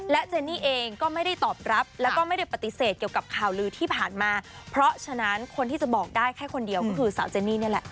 เจนนี่เองก็ไม่ได้ตอบรับแล้วก็ไม่ได้ปฏิเสธเกี่ยวกับข่าวลือที่ผ่านมาเพราะฉะนั้นคนที่จะบอกได้แค่คนเดียวก็คือสาวเจนี่นี่แหละ